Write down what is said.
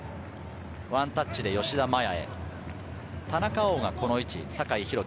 ワンタッチで吉田麻也へ、田中碧がこの位置。